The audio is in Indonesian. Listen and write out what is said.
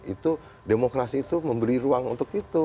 itu demokrasi itu memberi ruang untuk itu